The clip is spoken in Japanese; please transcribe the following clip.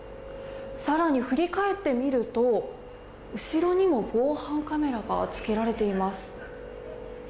更に振り返ってみると後ろにも防犯カメラがつけられています。